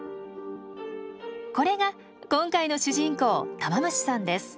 これが今回の主人公タマムシさんです。